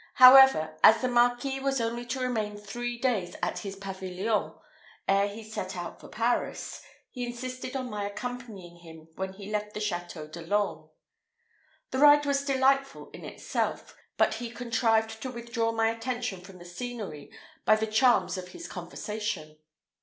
However, as the Marquis was only to remain three days at his pavilion ere he set out for Paris, he insisted on my accompanying him when he left the Château de l'Orme. The ride was delightful in itself, but he contrived to withdraw my attention from the scenery by the charms of his conversation.